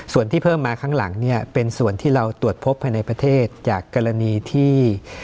ส่วนที่เพิ่มมาข้างหลังเนี่ยเป็นส่วนที่เราตรวจพบภายในประเทศจากกรณีที่